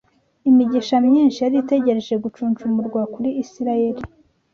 imigisha myinshi yari itegereje gucuncumurwa kuri Isirayeli